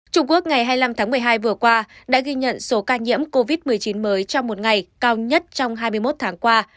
trung quốc ngày hai mươi năm tháng một mươi hai vừa qua đã ghi nhận số ca nhiễm covid một mươi chín mới trong một ngày cao nhất trong hai mươi một tháng qua